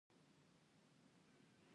د کليو په کچه نوي کاروبارونه رامنځته کیږي.